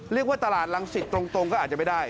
เรียกว่าตลาดรังสิตตรงก็อาจจะไม่ได้